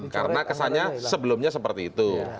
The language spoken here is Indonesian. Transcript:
karena kesannya sebelumnya seperti itu